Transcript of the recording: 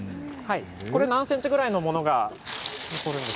何ｃｍぐらいのものが残るんですか。